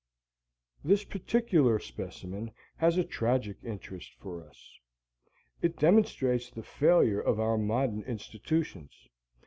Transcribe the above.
This particular specimen has a tragic interest for us. It demonstrates the failure of our modern institutions.